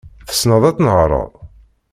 Tesneḍ ad tnehreḍ?